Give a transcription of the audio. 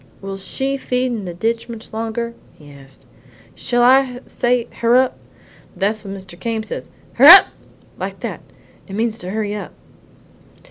"Will she feed in the ditch much longer?" he asked. "Shall I say Hurrap'? That's what Mr. Came says HURRAP!' like that, and it means to hurry up."